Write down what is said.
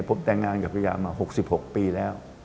ผมแต่งงานกับภรรยามา๖๖ปีแล้ว